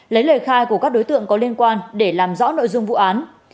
lấy lời khai của các đối tượng có liên quan để làm rõ nội dung vụ án